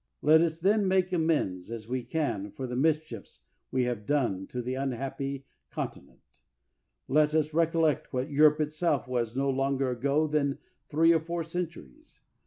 Let us then make such amends as we can for the mischiefs we have done to the unhappy con tinent; let us recollect what Europe itself was no longer ago than three or four centuries.